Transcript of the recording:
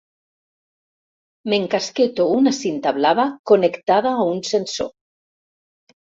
M'encasqueto una cinta blava connectada a un sensor.